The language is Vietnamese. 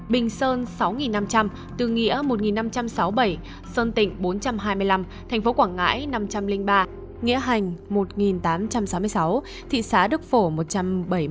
bình sơn sáu năm trăm linh tư nghĩa một năm trăm sáu mươi bảy sơn tịnh bốn trăm hai mươi năm thành phố quảng ngãi năm trăm linh ba nghĩa hành một tám trăm sáu mươi sáu thị xã đức phổ một trăm bảy mươi